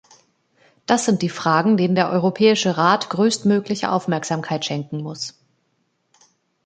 Das sind die Fragen, denen der Europäische Rat größtmögliche Aufmerksamkeit schenken muss.